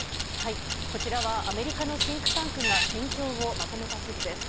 こちらはアメリカのシンクタンクが戦況をまとめた地図です。